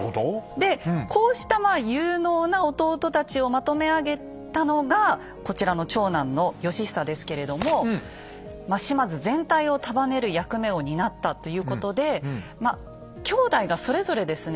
でこうした有能な弟たちをまとめ上げたのがこちらの長男の義久ですけれども島津全体を束ねる役目を担ったということで兄弟がそれぞれですね